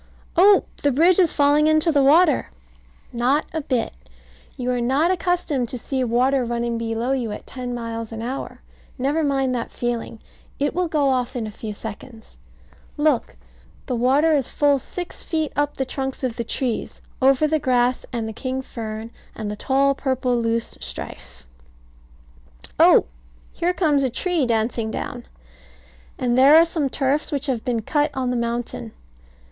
Oh, the bridge is falling into the water! Not a bit. You are not accustomed to see water running below you at ten miles an hour. Never mind that feeling. It will go off in a few seconds. Look; the water is full six feet up the trunks of the trees; over the grass and the king fern, and the tall purple loose strife Oh! Here comes a tree dancing down! And there are some turfs which have been cut on the mountain.